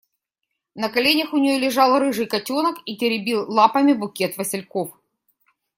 На коленях у нее лежал рыжий котенок и теребил лапами букет васильков.